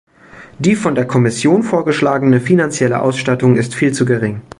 Die von der Kommission vorgeschlagene finanzielle Ausstattung ist viel zu gering.